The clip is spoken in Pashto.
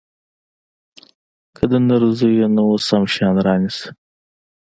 که د نر زوى يې نو اوس هم شيان رانيسه.